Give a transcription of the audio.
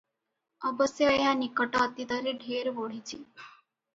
ଅବଶ୍ୟ ଏହା ନିକଟ ଅତୀତରେ ଢେର ବଢ଼ିଛି ।